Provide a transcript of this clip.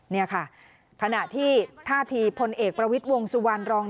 นี่ค่ะถ้าที่ภลเอกประวิทย์วงสุวรรณรองร์